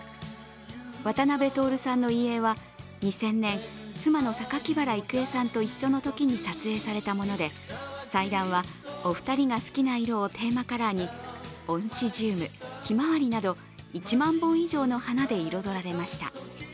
渡辺徹さんの遺影は２０００年、妻の榊原郁恵さんと一緒のときに撮影されたもので祭壇は、お二人が好きな色をテーマカラーにオンシジウム、ひまわりなど１万本以上の花で彩られました。